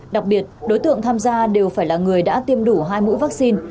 đặc biệt đối tượng tham gia đều phải là người đã tiêm đủ hai mũi vaccine